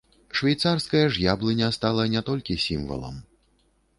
Швейцарская ж яблыня стала не толькі сімвалам.